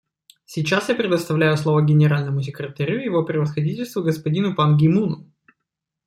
Сейчас я предоставляю слово Генеральному секретарю Его Превосходительству господину Пан Ги Муну.